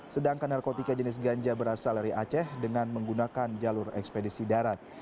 sedangkan narkotika jenis ganja berasal dari aceh dengan menggunakan jalur ekspedisi darat